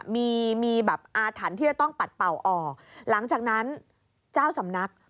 มีมีแบบอาถรรพ์ที่จะต้องปัดเป่าออกหลังจากนั้นเจ้าสำนัก